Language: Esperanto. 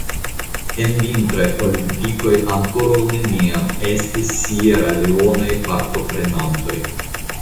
En vintraj olimpikoj ankoraŭ neniam estis Sieraleonaj partoprenantoj.